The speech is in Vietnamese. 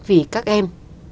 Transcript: vì các em